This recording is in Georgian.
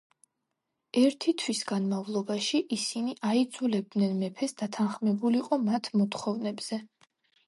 ერთი თვის განმავლობაში ისინი აიძულებდნენ მეფეს დათანხმებულიყო მათ მოთხოვნებზე.